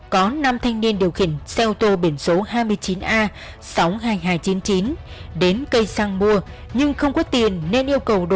có năm thanh niên điều khiển xe ô tô biển số hai mươi chín a sáu mươi hai nghìn hai trăm chín mươi chín đến cây xăng mua nhưng không có tiền nên yêu cầu đổ